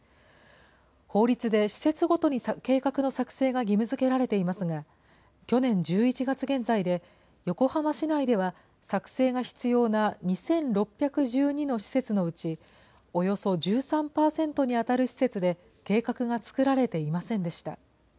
法律で施設ごとに計画の作成が義務づけられていますが、去年１１月現在で、横浜市内では作成が必要な２６１２の施設のうち、およそ１３％に当たる施設で計画が作られていませんでした。